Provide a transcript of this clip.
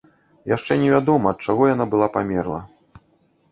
Яшчэ невядома, ад чаго яна была памерла.